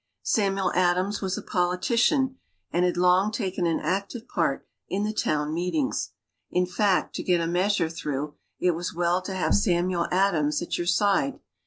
Samuel Adams was a politician, and had long taken an active part in the town meetings. In fact, to get a measure through, it was well to have Samuel Adams at your side.